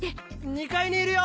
２階にいるよ！